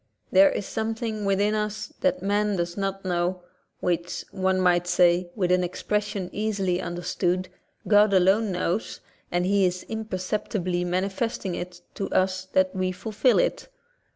There is something within us that man does not know, which, one might say, with an expression easily understood, God alone knows, and He is imperceptibly mani festing it to us that we fulfil it.